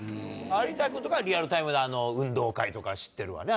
有田君とかリアルタイムで『運動会』とか知ってるわな。